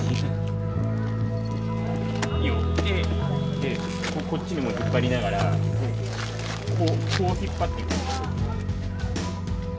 でこっちにも引っ張りながらこうこう引っ張っていく。